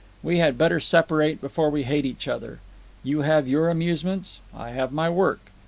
We had better separate before we hate each other. You have your amusements. I have my work.